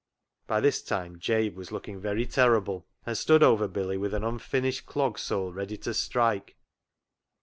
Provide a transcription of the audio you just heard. By this time Jabe was looking very terrible, and stood over Billy with an unfinished clog sole ready to strike.